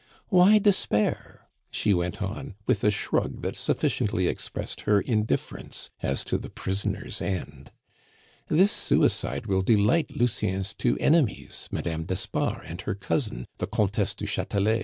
"Why despair?" she went on, with a shrug that sufficiently expressed her indifference as to the prisoner's end. "This suicide will delight Lucien's two enemies, Madame d'Espard and her cousin, the Comtesse du Chatelet.